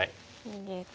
逃げて。